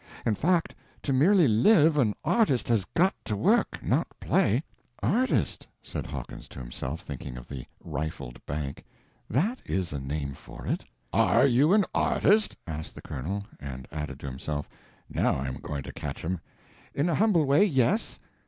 In fact, to merely live, an artist has got to work, not play." "Artist!" said Hawkins to himself, thinking of the rifled bank; "that is a name for it!" "Are you an artist?" asked the colonel; and added to himself, "now I'm going to catch him." "In a humble way, yes."